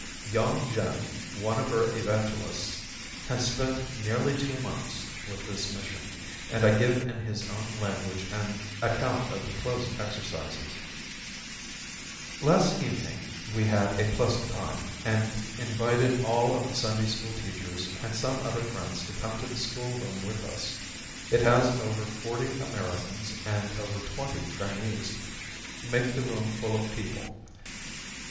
Yong Jin, one of our evangelists, has spent nearly two months with this mission, and I give in his own language an account of the closing exercises: "Last evening we had a pleasant time, and invited all of the Sunday school teachers and some other friends to come to the school room with us. It has over forty Americans and over twenty Chinese, make the room full of people.